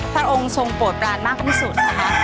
พระองค์ทรงโปรดปรานมากที่สุดนะคะ